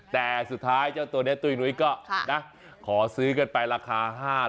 แต่สุดท้ายตัวนี้ตุ๊ยหนุยอาจจะขอซื้อกันไปราคา๕๕๐๐๐๐๐บาท